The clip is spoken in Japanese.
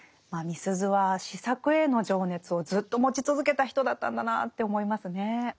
まあみすゞは詩作への情熱をずっと持ち続けた人だったんだなって思いますね。